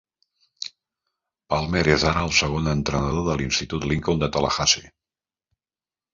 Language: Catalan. Palmer és ara el segon entrenador de l'institut Lincoln de Tallahassee.